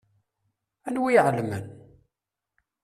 Anwa i iɛelmen?